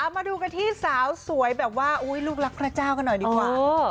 มาดูกันที่สาวสวยแบบว่าลูกรักพระเจ้ากันหน่อยดีกว่า